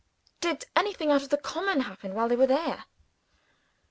"Did anything out of the common happen while they were there?"